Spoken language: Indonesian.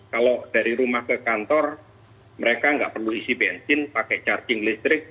kalau dari rumah ke kantor mereka nggak perlu isi bensin pakai charging listrik